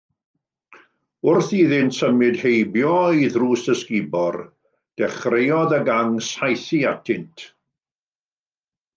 Wrth iddynt symud heibio i ddrws ysgubor, dechreuodd y gang saethu atynt.